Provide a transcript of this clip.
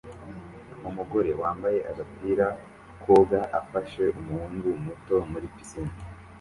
Umugore wambaye agapira koga afashe umuhungu muto muri pisine